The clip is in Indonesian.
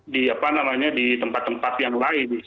di apa namanya di tempat tempat yang lain